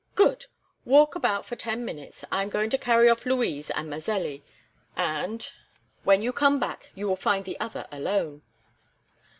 "Good! Walk about for ten minutes. I am going to carry off Louise and Mazelli, and, when you come back, you will find the other alone."